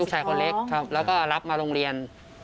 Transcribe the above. ชายคนเล็กแล้วก็รับมาโรงเรียน